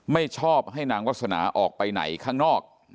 ไม่ชอบให้นางวาสนาออกไปไหนข้างนอก